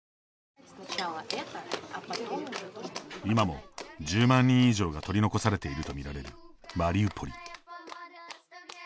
今も１０万人以上が取り残されていると見られるマリウポリ。